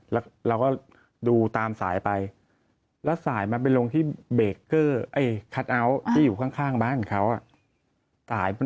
แล้วเราก็ดูตามสายไปแล้วสายมันไปลงที่เบรกเกอร์ไอ้คัทเอาท์ที่อยู่ข้างบ้านเขาอ่ะ